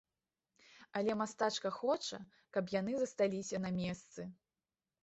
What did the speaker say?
Але мастачка хоча, каб яны засталіся на месцы.